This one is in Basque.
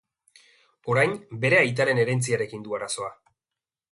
Orain, bere aitaren herentziarekin du arazoa.